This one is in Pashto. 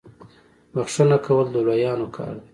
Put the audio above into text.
بخښنه کول د لویانو کار دی.